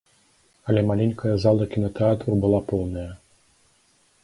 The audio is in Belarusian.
Але маленькая зала кінатэатру была поўная.